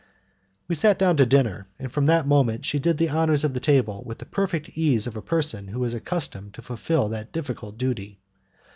We sat down to dinner, and from that moment she did the honours of the table with the perfect ease of a person who is accustomed to fulfil that difficult duty.